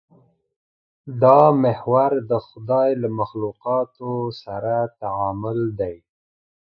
دا محور د خدای له مخلوقاتو سره تعامل دی.